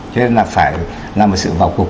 cho nên là phải làm một sự bảo cục